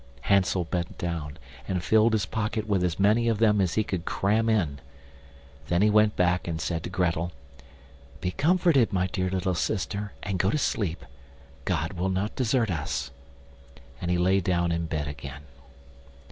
Hansel bent down and filled his pocket with as many of them as he could cram in. Then he went back and said to Grettel: "Be comforted, my dear little sister, and go to sleep: God will not desert us"; and he lay down in bed again.